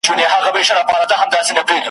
چي را ورسېدی نیسو یې موږ دواړه `